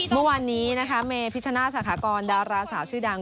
เมื่อวานนี้นะคะเมพิชนาสาขากรดาราสาวชื่อดัง